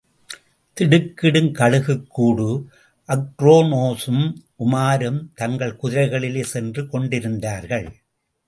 திடுக்கிடும் கழுகுக்கூடு அக்ரோனோஸும், உமாரும் தங்கள் குதிரைகளிலே சென்று கொண்டிருந்தார்கள்.